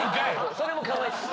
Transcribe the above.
それもかわいい。